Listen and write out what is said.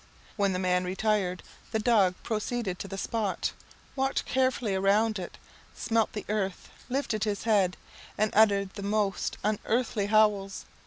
When the man retired, the dog proceeded to the spot, walked carefully round it, smelt the earth, lifted his head, and uttered the most unearthly howls.